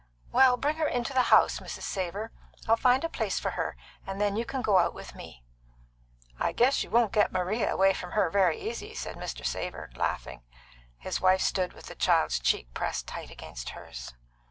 Well, bring her into the house, Mrs. Savor; I'll find a place for her, and then you can go out with me." "I guess you won't get Maria away from her very easy," said Mr. Savor, laughing. His wife stood with the child's cheek pressed tight against hers.